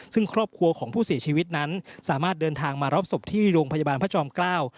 ซึ่งครอบครัวของผู้เสียชีวิตนั้นสามารถเดินทางมารับศพที่โรงพยาบาลพระจอมเกล้า